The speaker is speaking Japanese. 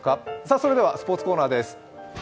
それではスポーツコーナーです。